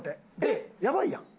えっやばいやん。